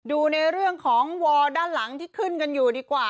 ดูในเรื่องของวอลด้านหลังที่ขึ้นกันอยู่ดีกว่า